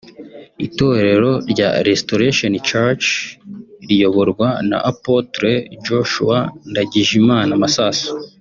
Itorero rya Restoration Church riyoborwa na Apôtre Yoshua Ndagijimana Massasu